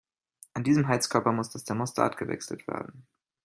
An diesem Heizkörper muss das Thermostat gewechselt werden.